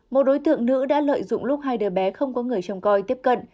một đối tượng nữ đã lợi dụng lúc hai đứa bé không có người trông coi tiếp cận